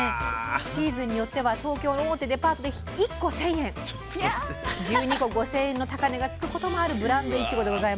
シーズンによっては東京の大手デパートで１個１，０００円１２個５，０００円の高値がつくこともあるブランドいちごでございます。